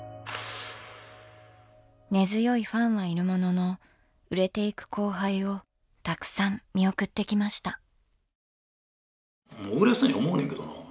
根強いファンはいるものの売れていく後輩をたくさん見送ってきました。